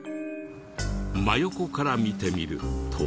真横から見てみると。